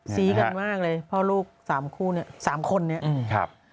ซีกันมากเลยพ่อลูกสามคู่เนี่ยสามคนนี้